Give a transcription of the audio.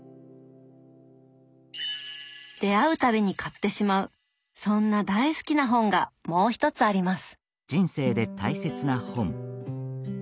出会う度に買ってしまうそんな大好きな本がもう一つあります。